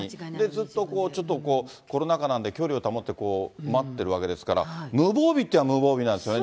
ずっとこうちょっと、コロナ禍なんで、距離を保って待ってるわけですから、無防備っていえば、無防備なんですよね。